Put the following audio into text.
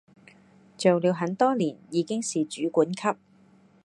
做了很多年，已經是主管級